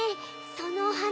そのお花